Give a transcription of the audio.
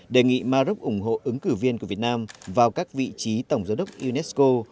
đề nghị maroc ủng hộ ứng cử viên của việt nam vào các vị trí tổng giám đốc unesco